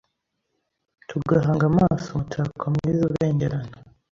tugahanga amaso umutako mwiza ubengerana